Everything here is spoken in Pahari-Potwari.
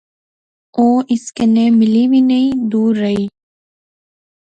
او اس کنے ملی وی نئیں، دور رہی